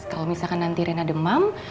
kalau misalkan nanti rena demam